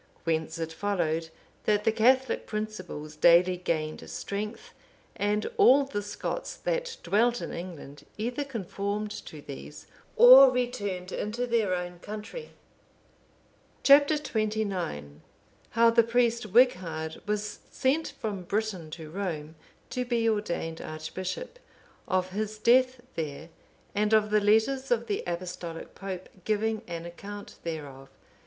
Whence it followed, that the Catholic principles daily gained strength, and all the Scots that dwelt in England either conformed to these, or returned into their own country. Chap. XXIX. How the priest Wighard was sent from Britain to Rome, to be ordained archbishop; of his death there, and of the letters of the Apostolic Pope giving an account thereof.